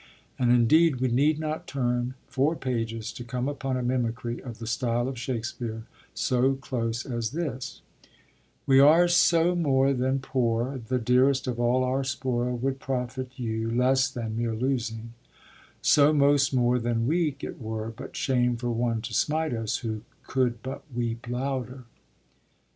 And indeed we need not turn four pages to come upon a mimicry of the style of Shakespeare so close as this: We are so more than poor, The dear'st of all our spoil would profit you Less than mere losing; so most more than weak It were but shame for one to smite us, who Could but weep louder.